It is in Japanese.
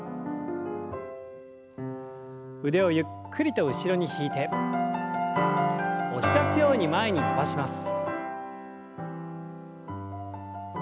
腕をゆっくりと後ろに引いて押し出すように前に伸ばします。